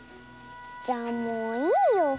じゃあもういいよ。